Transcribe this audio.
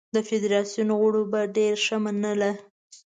د فدراسیون غړو به ډېره ښه منله.